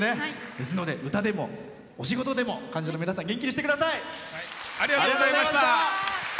ですので、歌でもお仕事でも患者の皆さんを元気にしてください。